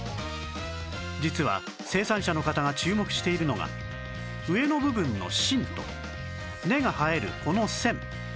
実は生産者の方が注目しているのが上の部分の芯と根が生えるこの線